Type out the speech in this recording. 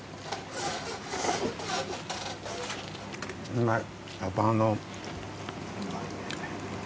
うまい。